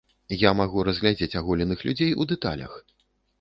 Я магу разгледзець аголеных людзей у дэталях.